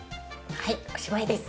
はいおしまいです。